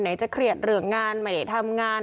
ไหนจะเขรียดเหลืองงานไหนจะทำงาน